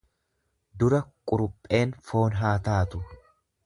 Dura qurupheen foon haa taatu.